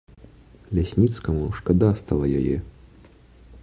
Лясніцкаму шкада стала яе.